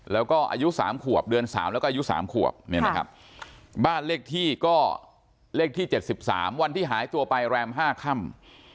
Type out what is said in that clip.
แล้วก็อายุสามขวบเดือนสามแล้วก็อายุสามขวบนี่นะครับบ้านเลขที่ก็เลขที่เจ็ดสิบสามวันที่หายตัวไปแรมห้าค่ำ